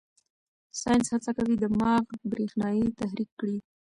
ساینس هڅه کوي دماغ برېښنايي تحریک کړي.